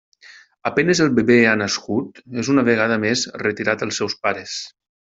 A penes el bebè ha nascut, és una vegada més retirat als seus pares.